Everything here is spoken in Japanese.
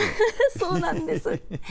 そうなんです。